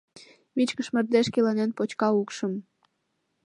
Вичкыж мардеж келанен почка укшым.